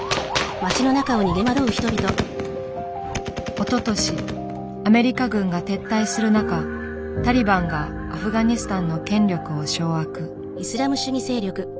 おととしアメリカ軍が撤退する中タリバンがアフガニスタンの権力を掌握。